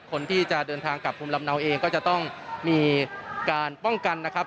คนที่จะเดินทางกลับภูมิลำเนาเองก็จะต้องมีการป้องกันนะครับ